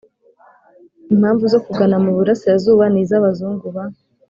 Impamvu zo kugana mu burasirazuba ni izi Abazungu ba